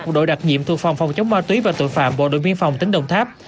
cùng đội đặc nhiệm thu phòng phòng chống ma túy và tội phạm bộ đội biên phòng tính đồng tháp